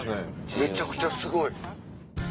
めちゃくちゃすごい。